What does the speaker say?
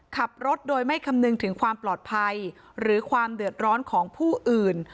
ขับรถโดยไม่คำนึงถึงความปลอดภัยหรือความเดือดร้อนของผู้อื่น